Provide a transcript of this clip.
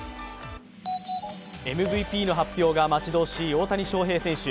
ＭＶＰの発表が待ち遠しい大谷翔平選手。